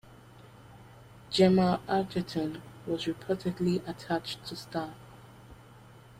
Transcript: Gemma Arterton was reportedly attached to star.